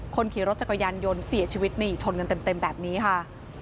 คนขี่รถจักรยานยนต์เสียชีวิตนี่ชนกันเต็มแบบนี้ค่ะ